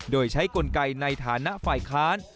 โดยใช้กลไกในฐานะฝ่ายค้าน